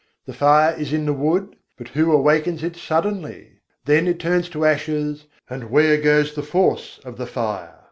The fire is in the wood; but who awakens it suddenly? Then it turns to ashes, and where goes the force of the fire?